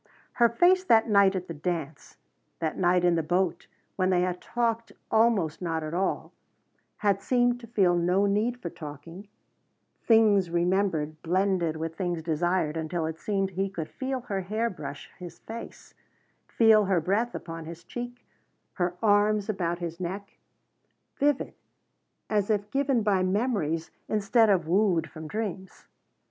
Her face that night at the dance that night in the boat, when they had talked almost not at all, had seemed to feel no need for talking things remembered blended with things desired until it seemed he could feel her hair brush his face, feel her breath upon his cheek, her arms about his neck vivid as if given by memories instead of wooed from dreams.